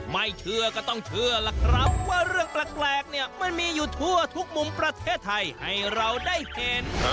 ไม่เชื่อก็ต้องเชื่อล่ะครับว่าเรื่องแปลกเนี่ยมันมีอยู่ทั่วทุกมุมประเทศไทยให้เราได้เห็น